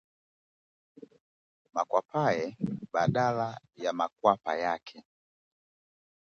Makwapaye – badala ya makwapa yake